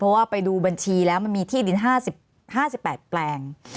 เพราะว่าไปดูบัญชีแล้วมันมีที่ดิน๕๘แปลง